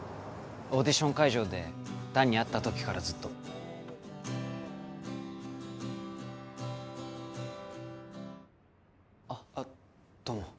オーディション会場で弾に会った時からずっとあっどうも